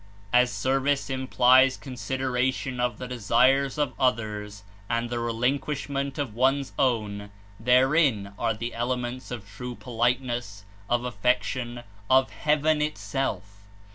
As service Implies consideration of the de 51 sires of others and the relinquishment of one's own, therein are the elements of true politeness, of affection, (jf heaven itself.